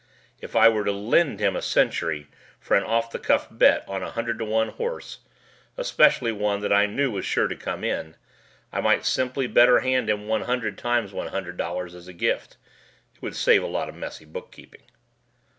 If I were to "Lend" him a century for an on the cuff bet on a 100:1 horse, especially one that I knew was sure to come in, I might better simply hand him one hundred times one hundred dollars as a gift. It would save a lot of messy bookkeeping.